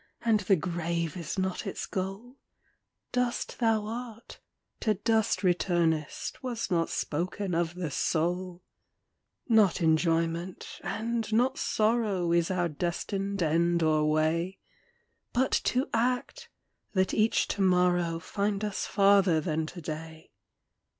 And the grave is not its goal ; Dust thou art, to dust returnest, Was not spoken of the soul. VOICES OF THE NIGHT. Not enjoyment, and not sorrow, Is our destined end or way ; But to act, that each to morrow Find us farther than to day.